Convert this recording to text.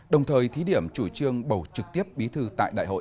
đồng thời thí điểm chủ trương bầu trực tiếp bí thư tại đại hội